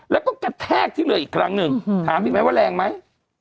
แล้วก็กระแทกที่เลยอีกครั้งนึงถามพี่แม่ว่าแรงไหม